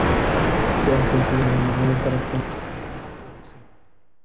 Se ha cultivado a menudo para obtener una abundante producción.